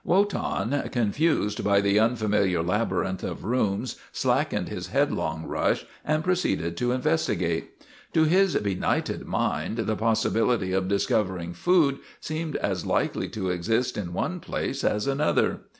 Wotan, confused by the unfamiliar labyrinth of rooms, slackened his headlong rush and proceeded to investigate. To his benighted mind the possi bility of discovering food seemed as likely to exist WOTAN, THE TERRIBLE 219 in one place as another.